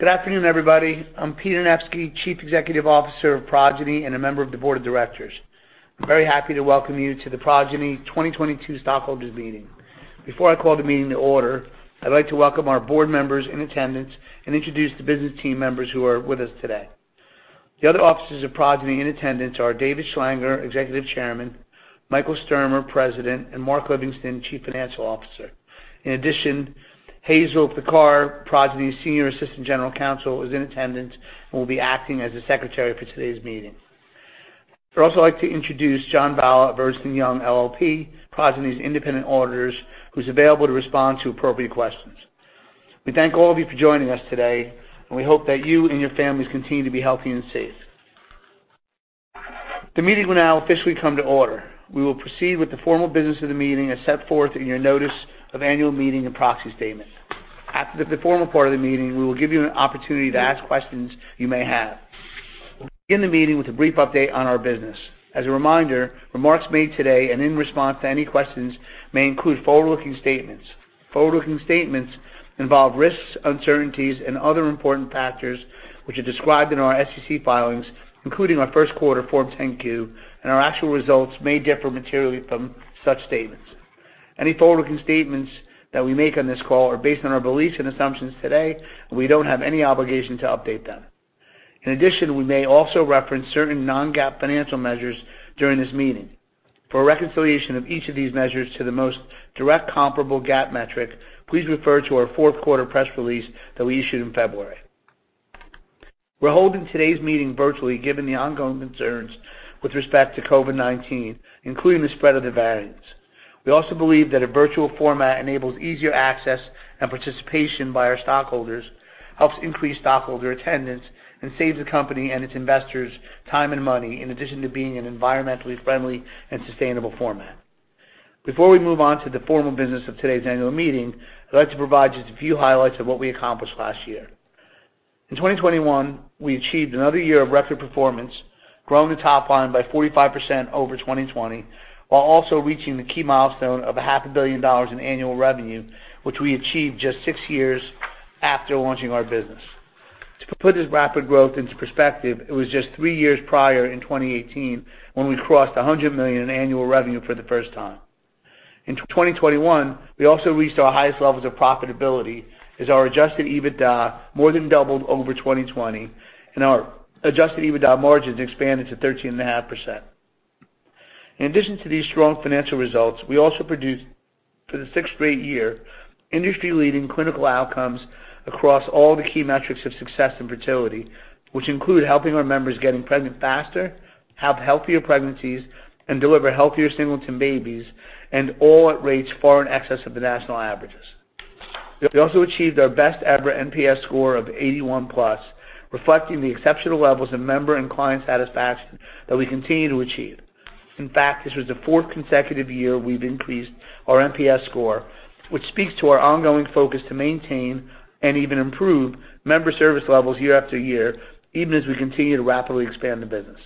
Good afternoon, everybody. I'm Pete Anevski, Chief Executive Officer of Progyny and a member of the board of directors. I'm very happy to welcome you to the Progyny 2022 Stockholders Meeting. Before I call the meeting to order, I'd like to welcome our board members in attendance and introduce the business team members who are with us today. The other officers of Progyny in attendance are David Schlanger, Executive Chairman, Michael Sturmer, President, and Mark Livingston, Chief Financial Officer. In addition, Jeannie Shan, Progyny's Senior Assistant General Counsel, is in attendance and will be acting as the secretary for today's meeting. I'd also like to introduce John Baugh of Ernst & Young LLP, Progyny's independent auditors, who's available to respond to appropriate questions. We thank all of you for joining us today, and we hope that you and your families continue to be healthy and safe. The meeting will now officially come to order. We will proceed with the formal business of the meeting as set forth in your notice of annual meeting and proxy statement. After the formal part of the meeting, we will give you an opportunity to ask questions you may have. We'll begin the meeting with a brief update on our business. As a reminder, remarks made today and in response to any questions may include forward-looking statements. Forward-looking statements involve risks, uncertainties, and other important factors which are described in our SEC filings, including our first quarter Form 10-Q, and our actual results may differ materially from such statements. Any forward-looking statements that we make on this call are based on our beliefs and assumptions today, and we don't have any obligation to update them. In addition, we may also reference certain non-GAAP financial measures during this meeting. For a reconciliation of each of these measures to the most direct comparable GAAP metric, please refer to our fourth quarter press release that we issued in February. We're holding today's meeting virtually given the ongoing concerns with respect to COVID-19, including the spread of the variants. We also believe that a virtual format enables easier access and participation by our stockholders, helps increase stockholder attendance, and saves the company and its investors time and money, in addition to being an environmentally friendly and sustainable format. Before we move on to the formal business of today's annual meeting, I'd like to provide just a few highlights of what we accomplished last year. In 2021, we achieved another year of record performance, growing the top line by 45% over 2020, while also reaching the key milestone of a half a billion dollars in annual revenue, which we achieved just 6 years after launching our business. To put this rapid growth into perspective, it was just 3 years prior in 2018 when we crossed $100 million in annual revenue for the first time. In 2021, we also reached our highest levels of profitability as our adjusted EBITDA more than doubled over 2020, and our adjusted EBITDA margins expanded to 13.5%. In addition to these strong financial results, we also produced for the sixth straight year, industry-leading clinical outcomes across all the key metrics of success in fertility, which include helping our members getting pregnant faster, have healthier pregnancies, and deliver healthier singleton babies and all at rates far in excess of the national averages. We also achieved our best ever NPS score of 81+, reflecting the exceptional levels of member and client satisfaction that we continue to achieve. In fact, this was the fourth consecutive year we've increased our NPS score, which speaks to our ongoing focus to maintain and even improve member service levels year after year, even as we continue to rapidly expand the business.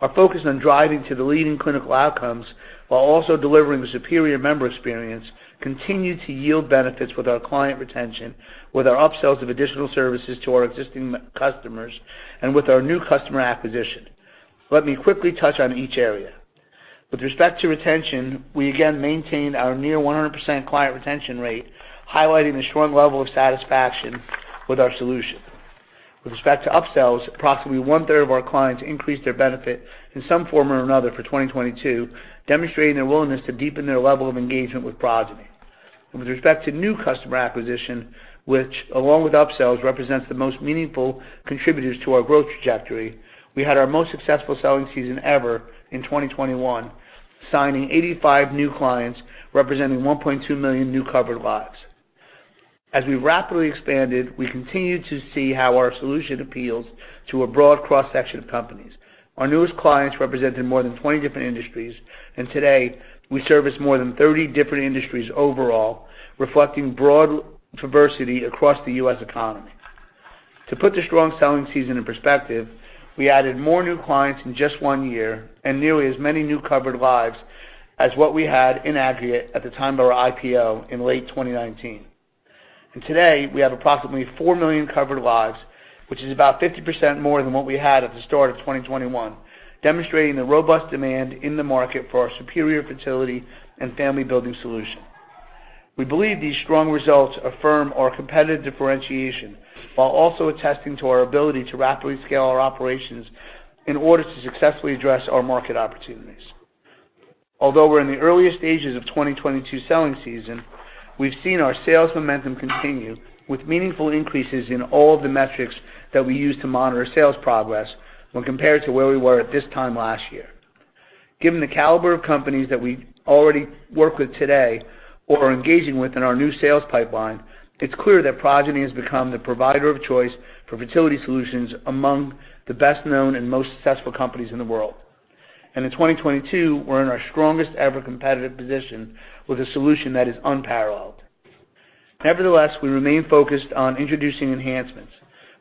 Our focus on driving to the leading clinical outcomes while also delivering the superior member experience continued to yield benefits with our client retention, with our upsells of additional services to our existing customers, and with our new customer acquisition. Let me quickly touch on each area. With respect to retention, we again maintained our near 100% client retention rate, highlighting the strong level of satisfaction with our solution. With respect to upsells, approximately one-third of our clients increased their benefit in some form or another for 2022, demonstrating their willingness to deepen their level of engagement with Progyny. With respect to new customer acquisition, which along with upsells, represents the most meaningful contributors to our growth trajectory, we had our most successful selling season ever in 2021, signing 85 new clients, representing 1.2 million new covered lives. As we rapidly expanded, we continued to see how our solution appeals to a broad cross-section of companies. Our newest clients represented more than 20 different industries, and today we service more than 30 different industries overall, reflecting broad diversity across the U.S. economy. To put the strong selling season in perspective, we added more new clients in just one year and nearly as many new covered lives as what we had in aggregate at the time of our IPO in late 2019. Today, we have approximately 4 million covered lives, which is about 50% more than what we had at the start of 2021, demonstrating the robust demand in the market for our superior fertility and family building solution. We believe these strong results affirm our competitive differentiation while also attesting to our ability to rapidly scale our operations in order to successfully address our market opportunities. Although we're in the earliest stages of 2022 selling season, we've seen our sales momentum continue with meaningful increases in all the metrics that we use to monitor sales progress when compared to where we were at this time last year. Given the caliber of companies that we already work with today or are engaging with in our new sales pipeline, it's clear that Progyny has become the provider of choice for fertility solutions among the best known and most successful companies in the world. In 2022, we're in our strongest ever competitive position with a solution that is unparalleled. Nevertheless, we remain focused on introducing enhancements.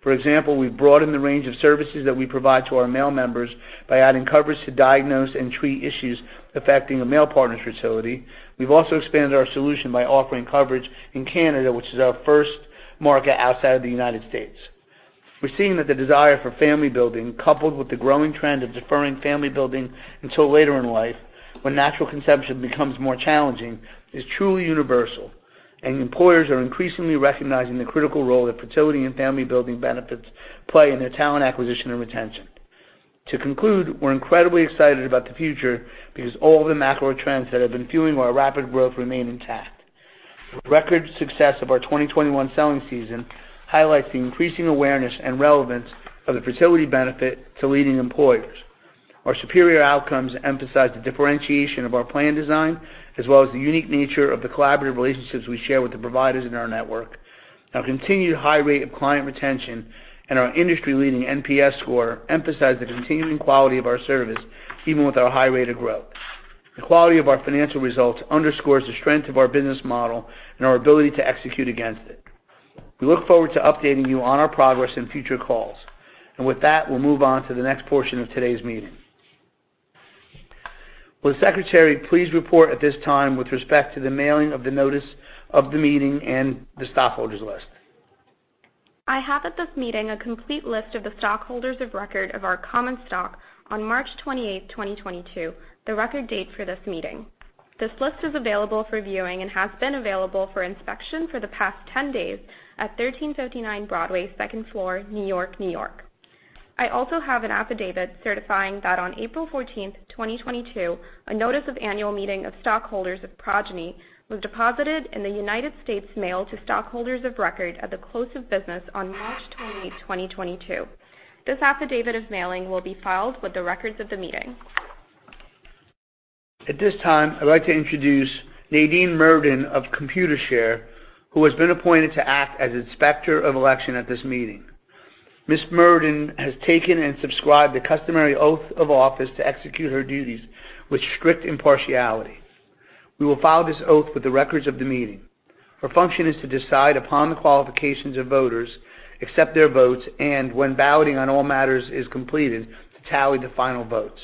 For example, we've broadened the range of services that we provide to our male members by adding coverage to diagnose and treat issues affecting a male partner's fertility. We've also expanded our solution by offering coverage in Canada, which is our first market outside of the United States. We're seeing that the desire for family building, coupled with the growing trend of deferring family building until later in life, when natural conception becomes more challenging, is truly universal. Employers are increasingly recognizing the critical role that fertility and family-building benefits play in their talent acquisition and retention. To conclude, we're incredibly excited about the future because all the macro trends that have been fueling our rapid growth remain intact. The record success of our 2021 selling season highlights the increasing awareness and relevance of the fertility benefit to leading employers. Our superior outcomes emphasize the differentiation of our plan design, as well as the unique nature of the collaborative relationships we share with the providers in our network. Our continued high rate of client retention and our industry-leading NPS score emphasize the continuing quality of our service, even with our high rate of growth. The quality of our financial results underscores the strength of our business model and our ability to execute against it. We look forward to updating you on our progress in future calls. With that, we'll move on to the next portion of today's meeting. Will the secretary please report at this time with respect to the mailing of the notice of the meeting and the stockholders list? I have at this meeting a complete list of the stockholders of record of our common stock on March twenty-eighth, 2022, the record date for this meeting. This list is available for viewing and has been available for inspection for the past 10 days at 1359 Broadway, second floor, New York, New York. I also have an affidavit certifying that on April fourteenth, 2022, a notice of annual meeting of stockholders of Progyny was deposited in the United States Mail to stockholders of record at the close of business on March 20, 2022. This affidavit of mailing will be filed with the records of the meeting. At this time, I'd like to introduce Nadine Murden of Computershare, who has been appointed to act as Inspector of Election at this meeting. Ms. Murden has taken and subscribed the customary oath of office to execute her duties with strict impartiality. We will file this oath with the records of the meeting. Her function is to decide upon the qualifications of voters, accept their votes, and when balloting on all matters is completed, to tally the final votes.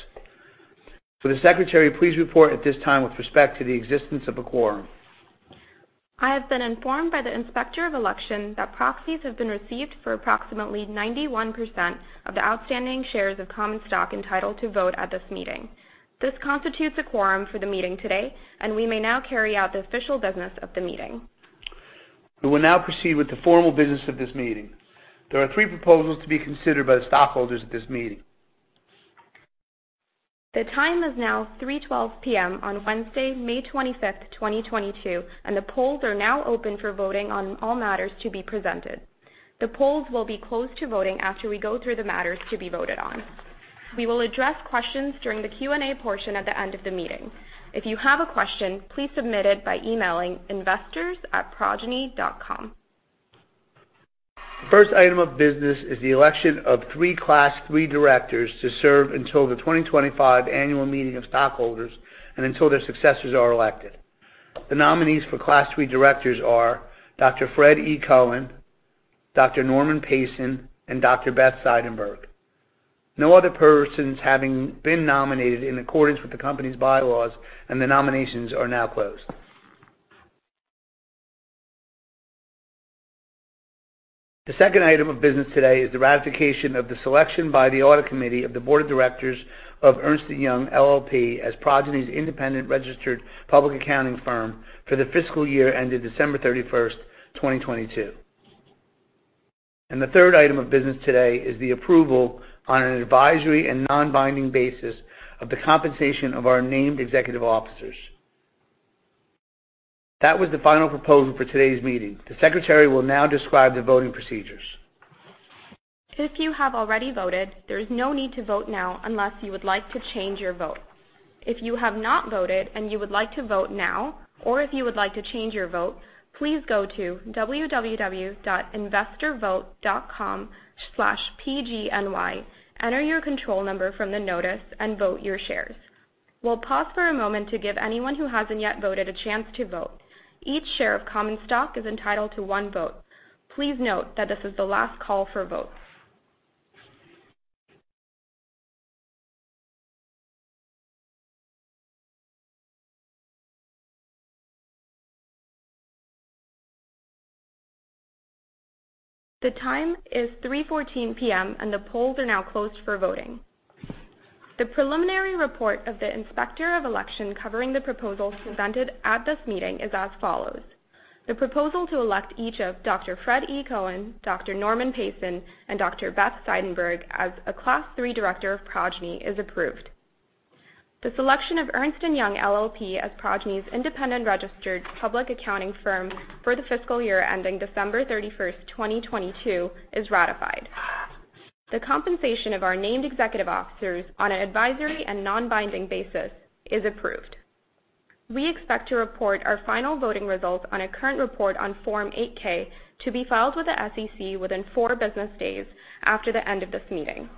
Will the Secretary please report at this time with respect to the existence of a quorum? I have been informed by the Inspector of Election that proxies have been received for approximately 91% of the outstanding shares of common stock entitled to vote at this meeting. This constitutes a quorum for the meeting today, and we may now carry out the official business of the meeting. We will now proceed with the formal business of this meeting. There are three proposals to be considered by the stockholders at this meeting. The time is now 3:12 P.M. on Wednesday, May 25, 2022, and the polls are now open for voting on all matters to be presented. The polls will be closed to voting after we go through the matters to be voted on. We will address questions during the Q&A portion at the end of the meeting. If you have a question, please submit it by emailing investors@progyny.com. The first item of business is the election of three Class III directors to serve until the 2025 annual meeting of stockholders and until their successors are elected. The nominees for Class III directors are Dr. Fred E. Cohen, Dr. Norman Payson, and Dr. Beth Seidenberg. No other persons having been nominated in accordance with the company's bylaws, and the nominations are now closed. The second item of business today is the ratification of the selection by the Audit Committee of the Board of Directors of Ernst & Young LLP as Progyny's independent registered public accounting firm for the fiscal year ended December 31, 2022. The third item of business today is the approval on an advisory and non-binding basis of the compensation of our named executive officers. That was the final proposal for today's meeting. The secretary will now describe the voting procedures. If you have already voted, there is no need to vote now unless you would like to change your vote. If you have not voted and you would like to vote now or if you would like to change your vote, please go to www.investorvote.com/pgny, enter your control number from the notice, and vote your shares. We'll pause for a moment to give anyone who hasn't yet voted a chance to vote. Each share of common stock is entitled to one vote. Please note that this is the last call for votes. The time is 3:14 P.M., and the polls are now closed for voting. The preliminary report of the Inspector of Election covering the proposals presented at this meeting is as follows. The proposal to elect each of Dr. Fred E. Cohen, Dr. Norman Payson, and Dr. Beth Seidenberg as a Class III director of Progyny is approved. The selection of Ernst & Young LLP as Progyny's independent registered public accounting firm for the fiscal year ending December 31, 2022 is ratified. The compensation of our named executive officers on an advisory and non-binding basis is approved. We expect to report our final voting results on a current report on Form 8-K to be filed with the SEC within 4 business days after the end of this meeting.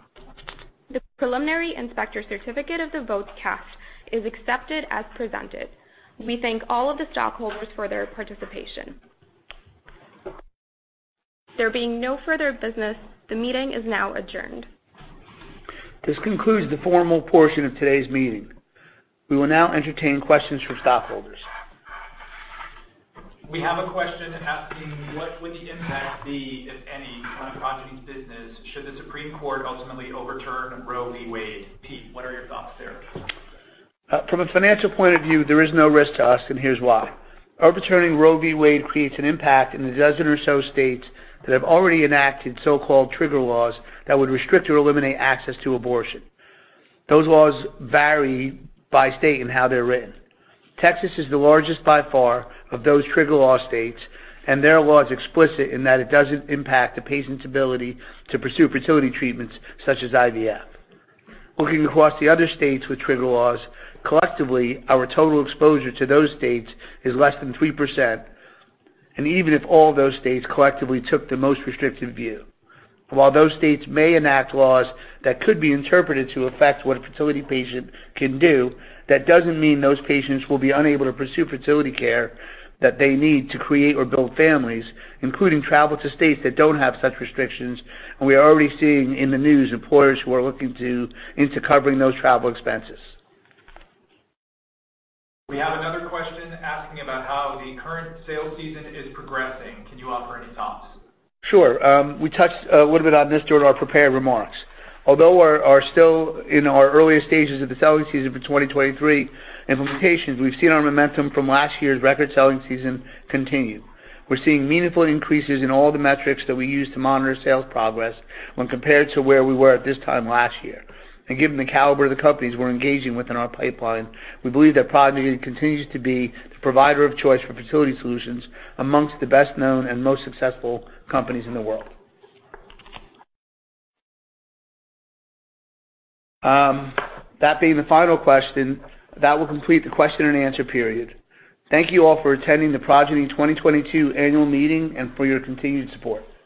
The preliminary inspector certificate of the votes cast is accepted as presented. We thank all of the stockholders for their participation. There being no further business, the meeting is now adjourned. This concludes the formal portion of today's meeting. We will now entertain questions from stockholders. We have a question asking what would the impact be, if any, on Progyny's business should the Supreme Court ultimately overturn Roe v. Wade? Pete, what are your thoughts there? From a financial point of view, there is no risk to us, and here's why. Overturning Roe v. Wade creates an impact in the dozen or so states that have already enacted so-called trigger laws that would restrict or eliminate access to abortion. Those laws vary by state in how they're written. Texas is the largest by far of those trigger law states, and their law is explicit in that it doesn't impact the patient's ability to pursue fertility treatments such as IVF. Looking across the other states with trigger laws, collectively, our total exposure to those states is less than 3%, and even if all those states collectively took the most restrictive view. While those states may enact laws that could be interpreted to affect what a fertility patient can do, that doesn't mean those patients will be unable to pursue fertility care that they need to create or build families, including travel to states that don't have such restrictions, and we are already seeing in the news employers who are looking into covering those travel expenses. We have another question asking about how the current sales season is progressing. Can you offer any thoughts? Sure. We touched a little bit on this during our prepared remarks. Although we're still in our earliest stages of the selling season for 2023 implementations, we've seen our momentum from last year's record selling season continue. We're seeing meaningful increases in all the metrics that we use to monitor sales progress when compared to where we were at this time last year. Given the caliber of the companies we're engaging with in our pipeline, we believe that Progyny continues to be the provider of choice for fertility solutions amongst the best known and most successful companies in the world. That being the final question, that will complete the question and answer period. Thank you all for attending the Progyny 2022 annual meeting, and for your continued support.